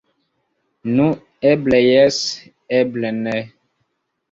Nu, eble jes, eble ne.